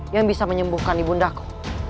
yang bisa menyembuhkan ibundaku